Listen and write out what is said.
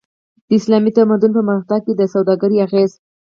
د اسلامي تمدن په پرمختګ کی د سوداګری اغیز